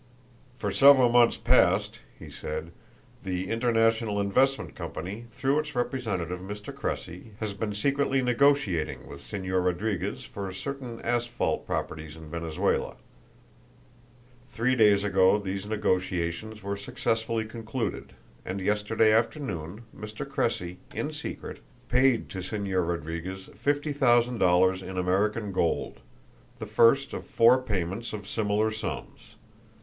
"For several months past," he said, "the International Investment Company, through its representative, Mr. Cressy, has been secretly negotiating with Señor Rodriguez for certain asphalt properties in Venezuela. Three days ago these negotiations were successfully concluded, and yesterday afternoon Mr. Cressy, in secret, paid to Señor Rodriguez, fifty thousand dollars in American gold, the first of four payments of similar sums.